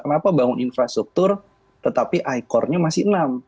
kenapa bangun infrastruktur tetapi i core nya masih enam